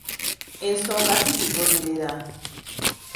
Ensonga tugigoberera.